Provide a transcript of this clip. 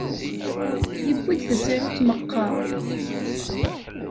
Yewwi-d tasarut meqqar?